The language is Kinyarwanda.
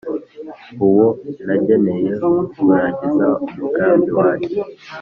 uwo nageneye kurangiza umugambi wanjye,